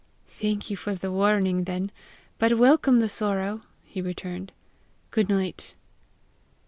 "Thank you for the warning then, but welcome the sorrow!" he returned. "Good night."